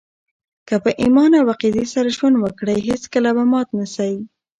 که په ایمان او عقیدې سره ژوند وکړئ، هېڅکله به مات نه سئ!